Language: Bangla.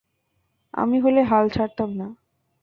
আমি হলে হাল ছাড়তাম না।